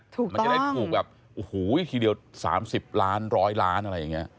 มันจะได้ถูกแบบโอ้โหทีเดียว๓๐ล้าน๑๐๐ล้านอะไรอย่างนี้